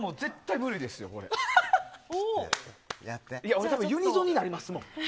俺、ユニゾンになりますもん。